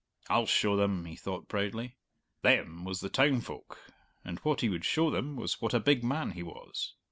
"I'll show them," he thought proudly. "Them" was the town folk, and what he would show them was what a big man he was.